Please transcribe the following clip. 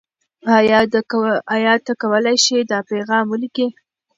آیا ته کولای شې دا پیغام ولیکې؟